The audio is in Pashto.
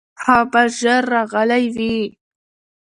هغه به ژر راغلی وي.